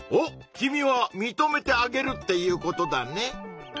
君はみとめてあげるっていうことだね！